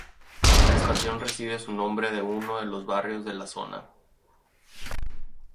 La estación recibe su nombre de uno de los barrios de la zona.